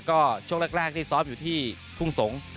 ก็ช่วงแรกนี่ซ้อมอยู่ที่ทุ่งสงศ์